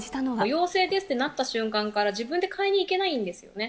陽性ですってなった瞬間から、自分で買いに行けないんですよね。